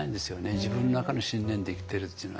自分の中の信念で生きてるっていうのは。